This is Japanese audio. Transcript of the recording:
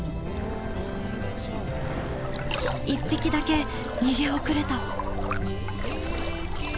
一匹だけ逃げ遅れた！